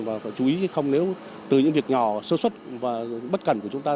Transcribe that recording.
và phải chú ý không nếu từ những việc nhỏ sơ xuất và bất cần của chúng ta